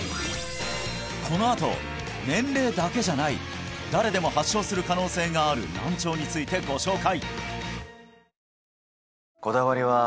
このあと年齢だけじゃない誰でも発症する可能性がある難聴についてご紹介！